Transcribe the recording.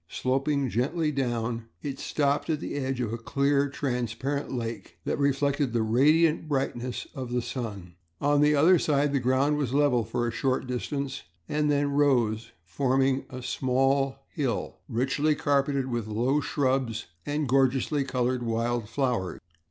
Sloping gently down, it stopped at the edge of a clear, transparent lake that reflected the radiant brightness of the sun. On the other side the ground was level for a short distance and then rose forming a small hill, richly carpeted with low shrubs and gorgeously colored wild flowers.